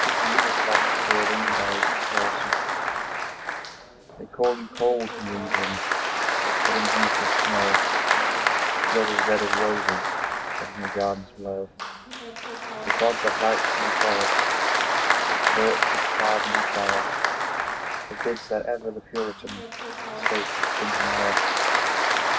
Century Amelia Josephine Burr Ghosts They call you cold New England, But underneath your snow Is blood as red as roses That in your gardens blow. The God that lights your forest With torch of cardinal flower, Forbids that ever the Puritan Escape his crimson hour.